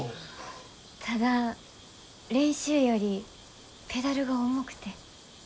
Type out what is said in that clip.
ただ練習よりペダルが重くて。